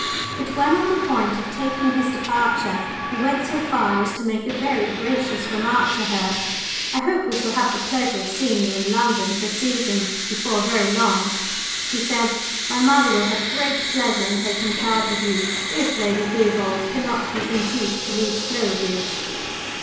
But, when on the point of taking his departure, he went so far as to make a very gracious remark to her. "I hope we shall have the pleasure of seeing you in London for a season, before very long," he said: "my mother will have great pleasure in taking charge of you, if Lady Theobald cannot be induced to leave Slowbridge."